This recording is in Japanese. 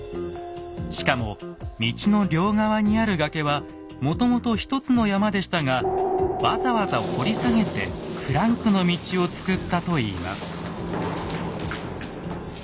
しかも道の両側にある崖はもともと一つの山でしたがわざわざ掘り下げてクランクの道をつくったといいます。